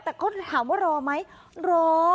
แต่ก็ถามว่ารอไหมรอ